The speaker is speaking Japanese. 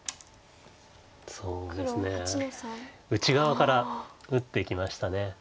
そうですね内側から打っていきました。